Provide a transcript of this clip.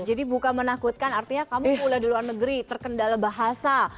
jadi bukan menakutkan artinya kamu pulang di luar negeri terkendala bahasa